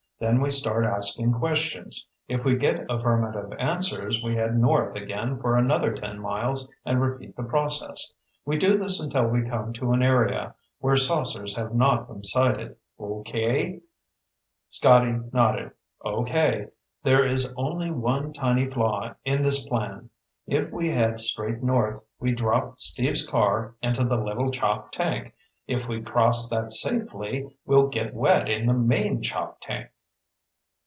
Then we start asking questions. If we get affirmative answers, we head north again for another ten miles and repeat the process. We do this until we come to an area where saucers have not been sighted. Okay?" Scotty nodded. "Okay. There is only one tiny flaw in this plan. If we head straight north, we drop Steve's car into the Little Choptank. If we cross that safely, we'll get wet in the main Choptank."